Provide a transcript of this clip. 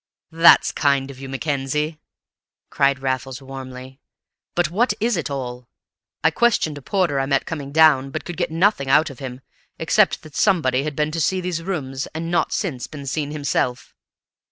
"That's kind of you, Mackenzie!" cried Raffles warmly. "But what is it all? I questioned a porter I met coming down, but could get nothing out of him, except that somebody had been to see these rooms and not since been seen himself."